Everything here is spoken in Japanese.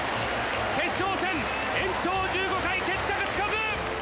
決勝戦延長１５回決着つかず。